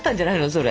それ。